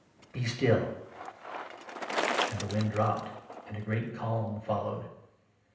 Be still !" Then the wind dropped, and a great calm followed.